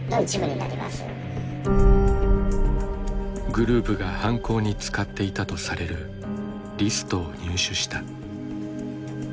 グループが犯行に使っていたとされるリストを入手した。